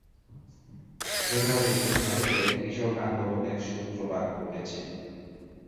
এভাবেই ভারতে কৃষক আন্দোলনের সূত্রপাত ঘটেছিল।